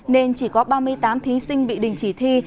nên chỉ có ba mươi tám thí sinh bị đình chỉ thi